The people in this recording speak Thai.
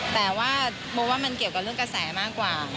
แต่ว่าโมว่ามันเกี่ยวกับเรื่องกระแสมากกว่า